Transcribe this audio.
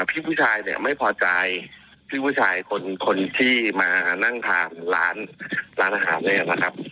พี่ผู้ชายเนี่ยไม่พอใจพี่ผู้ชายคนที่มานั่งทานร้านร้านอาหารเนี่ยนะครับ